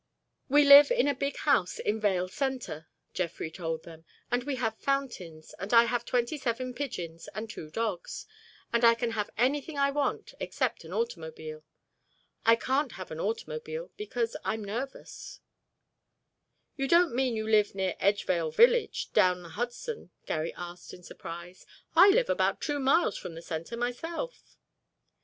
"We live in a big house in Vale Centre," Jeffrey told them, "and we have fountains and I have twenty seven pigeons and two dogs—and I can have anything I want except an automobile. I can't have an automobile because I'm nervous." "You don't mean you live near Edgevale Village, down the Hudson?" Garry asked in surprise. "I live about two miles from the Centre myself."